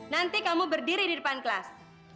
nanti kamu berdiri di depan kelas